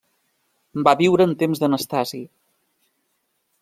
Va viure en temps d'Anastasi.